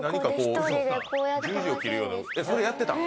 それやってたん？